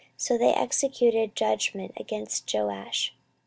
So they executed judgment against Joash.